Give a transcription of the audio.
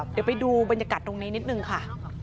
เดี๋ยวไปดูบรรยากาศตรงนี้นิดนึงค่ะ